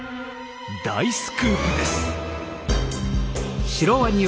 大スクープです！